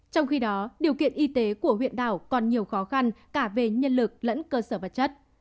trong khi đó điều kiện y tế của huyện đảo còn nhiều khó khăn cả về nhân lực lẫn cơ sở vật chất